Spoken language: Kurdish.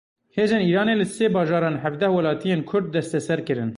Hêzên Îranê li sê bajaran hevdeh welatiyên kurd desteser kirin.